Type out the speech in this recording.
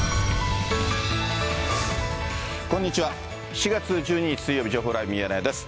７月１２日水曜日、情報ライブミヤネ屋です。